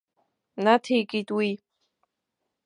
Наҭеикит уи.